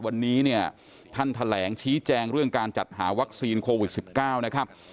วันนี้เนี่ยท่านแถลงชี้แจงเรื่องการจัดหาวัคซีนโควิด๑๙นะครับ